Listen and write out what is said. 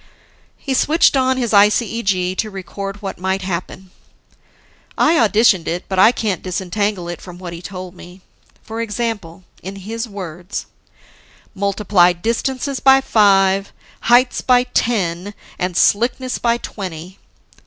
He switched on his ICEG to record what might happen. I auditioned it, but I can't disentangle it from what he told me. For example, in his words: Multiply distances by five, heights by ten, and slickness by twenty.